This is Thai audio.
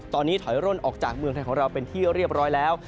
ตอนนี้ถอยร่นออกจากเมืองไทยของเราเป็นที่เรียบร้อยแล้ว